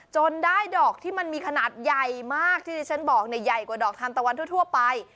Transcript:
จนได้ดอกที่มันมีขนาดใหญ่มากที่ที่ฉันบอกเนี่ยใหญ่กว่าดอกทานตะวันทั่วไป